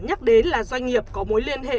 nhắc đến là doanh nghiệp có mối liên hệ